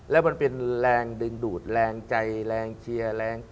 แล้วมันเป็นแรงดึงดูดแรงใจแรงเชียร์แรง